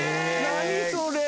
何それ！？